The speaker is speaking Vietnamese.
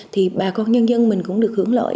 thì bà con nhân dân mình cũng được hưởng lợi